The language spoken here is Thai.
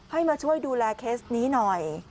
ให้มาช่วยดูแลเคสนี้หน่อย